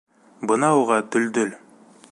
Бына уға Дөлдөл!